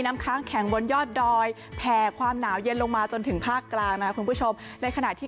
ค้างแข็งบนยอดดอยแผ่ความหนาวเย็นลงมาจนถึงภาคกลางนะคุณผู้ชมในขณะที่